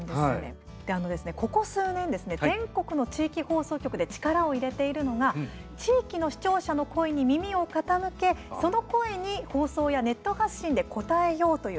ここ数年ですね全国の地域放送局で力を入れているのが地域の視聴者の声に耳を傾けその声に放送やネット発信で応えようという取り組みなんですね。